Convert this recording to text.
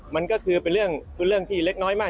มันก็คือเป็นเรื่องที่เล็กน้อยมาก